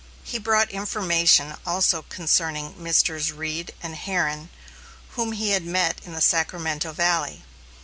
He brought information also concerning Messrs. Reed and Herron, whom he had met in the Sacramento valley.